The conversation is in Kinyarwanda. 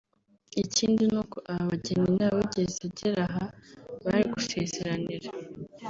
Ikindi ni uko aba bageni nta wigeze agera aha bari gusezeranira